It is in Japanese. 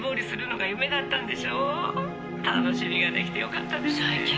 「楽しみができてよかったですね」